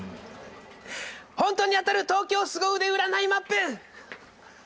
本当に当たる東京すご腕占いマップ！